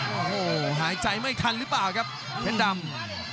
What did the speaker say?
โอ้โหหายใจไม่ทันหรือเปล่าครับเพชรดำ